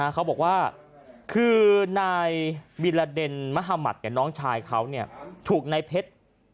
เขาบอกว่าคือนายมิลเดนมหมติเนี่ยน้องชายเขาเนี่ยถูกในเพชร